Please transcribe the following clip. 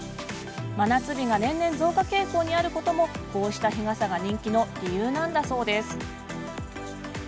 真夏日が年々、増加傾向にあることもこうした日傘が人気の理由なんだそうです。